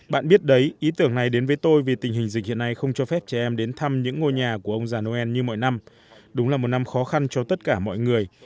bạn biết đấy ý tưởng này đến với tôi vì tình hình dịch hiện nay không cho phép trẻ em đến thăm những ngôi nhà của ông già noel như mọi năm đúng là một năm khó khăn cho tất cả mọi người